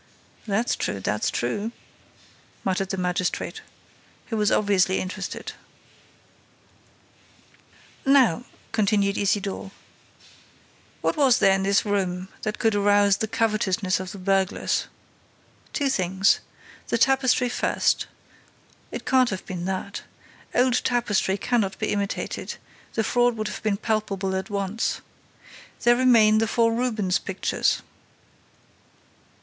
"That's true—that's true," muttered the magistrate, who was obviously interested. "Now," continued Isidore, "what was there in this room that could arouse the covetousness of the burglars? Two things. The tapestry first. It can't have been that. Old tapestry cannot be imitated: the fraud would have been palpable at once. There remain the four Rubens pictures."